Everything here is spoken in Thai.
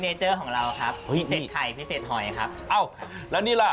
เจอร์ของเราครับพิเศษไข่พิเศษหอยครับเอ้าแล้วนี่ล่ะ